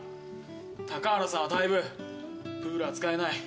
高原さんは退部プールは使えない。